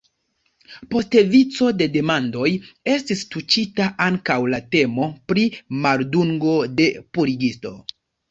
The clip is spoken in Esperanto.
Post vico de demandoj estis tuŝita ankaŭ la temo pri maldungo de purigisto.